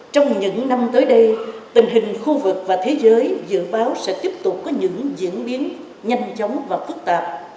trong những năm tới đây tình hình khu vực và thế giới dự báo sẽ tiếp tục có những diễn biến nhanh chóng và phức tạp